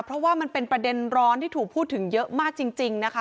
เพราะว่ามันเป็นประเด็นร้อนที่ถูกพูดถึงเยอะมากจริงนะคะ